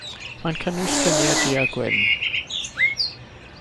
Mae'n cynnwys lluniau du a gwyn.